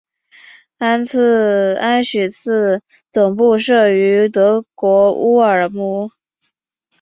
安许茨总部设于德国乌尔姆。